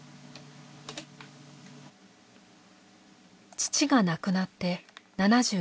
父が亡くなって７７年。